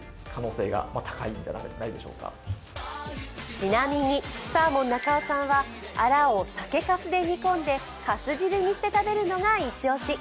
ちなみに、サーモン中尾さんはアラを酒かすで煮込んで粕汁にして食べるのがイチ押し。